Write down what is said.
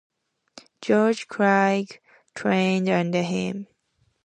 George Craig trained under him.